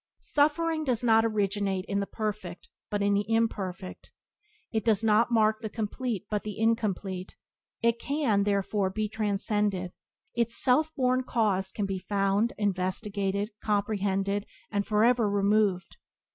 Suffering does not originate in the perfect but in the imperfect; it does not mark the complete but the incomplete; it can, therefore, be transcended. Its self born cause can be found, investigated, comprehended, and forever removed.